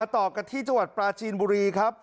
ต่อกันที่จังหวัดปลาจีนบุรีครับ